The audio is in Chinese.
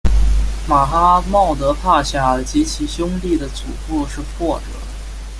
马哈茂德帕夏及其兄弟的祖父是或者。